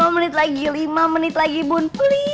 lima menit lagi lima menit lagi bun